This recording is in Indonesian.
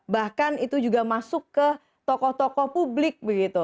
bahkan itu juga masuk ke tokoh tokoh publik begitu